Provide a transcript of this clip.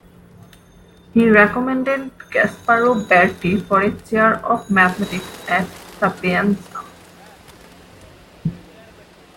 He recommended Gasparo Berti for a chair of mathematics at Sapienza.